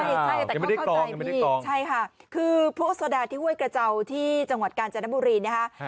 ใช่ใช่แต่เขาเข้าใจใช่ค่ะคือผู้โซดาที่ห้วยกระเจ้าที่จังหวัดกาญจนบุรีนี่ฮะ